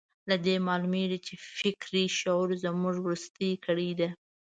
له دې معلومېږي چې فکري شعور زموږ وروستۍ کړۍ ده.